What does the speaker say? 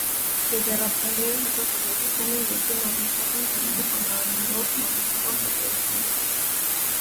Բևեռափայլերը հաճախ ուղեկցվում են երկրի մագնիսական դաշտի խանգարումներով՝ մագնիսական փոթորիկներով։